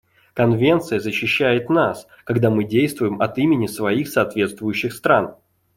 Конвенция защищает нас, когда мы действуем от имени своих соответствующих стран.